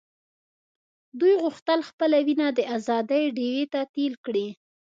دوی غوښتل خپله وینه د آزادۍ ډیوې ته تېل کړي.